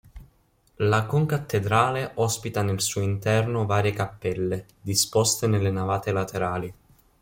La concattedrale ospita nel suo interno varie cappelle, disposte nelle navate laterali.